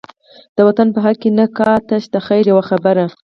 د وطن په حق کی نه کا، تش دخیر یوه خبره